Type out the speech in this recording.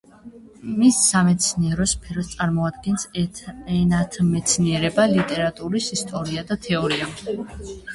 მის სამეცნიერო სფეროს წარმოადგენს ენათმეცნიერება, ლიტერატურის ისტორია და თეორია.